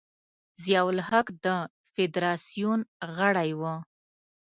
ضیا الحق د فدراسیون غړی و.